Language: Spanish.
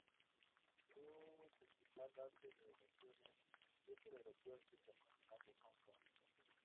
Su principal base de operaciones es el Aeropuerto Internacional de Hong Kong.